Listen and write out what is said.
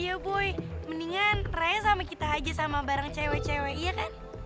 iya buy mendingan raya sama kita aja sama bareng cewek cewek iya kan